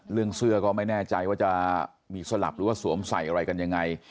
เสื้อก็ไม่แน่ใจว่าจะมีสลับหรือว่าสวมใส่อะไรกันยังไง